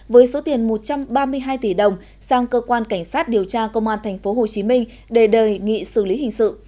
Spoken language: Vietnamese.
với số tiền một trăm ba mươi hai tỷ đồng sang cơ quan cảnh sát điều tra công an tp hcm để đề nghị xử lý hình sự